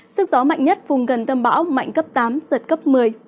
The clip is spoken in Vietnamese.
sức gió mạnh nhất vùng gần tâm bão mạnh cấp tám giật cấp một mươi